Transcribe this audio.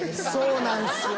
そうなんですよ。